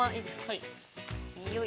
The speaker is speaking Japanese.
◆はい。